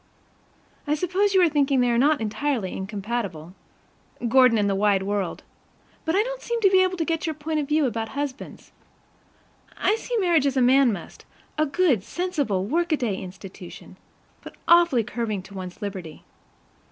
I suppose you are thinking they are not entirely incompatible Gordon and the wide world but I don't seem able to get your point of view about husbands. I see marriage as a man must, a good, sensible workaday institution; but awfully curbing to one's liberty.